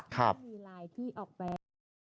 ก็มีไลน์ที่ออกไป